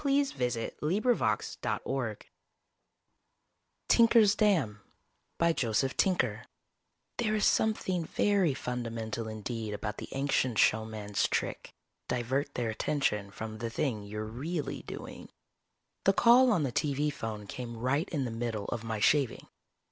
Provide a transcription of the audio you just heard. net TINKER'S DAM By JOSEPH TINKER _There is something very fundamental indeed about the ancient showman's trick divert their attention from the thing you're really doing ..._ Illustrated by Schoenherr The call on the TV phone came right in the middle of my shaving.